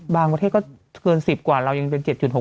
ประเทศก็เกิน๑๐กว่าเรายังเป็น๗๖